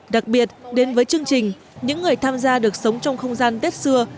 đặc biệt đến với chương trình những người tham gia được sống trong không gian tết xưa